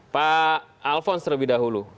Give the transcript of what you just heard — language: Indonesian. pak alvon terlebih dahulu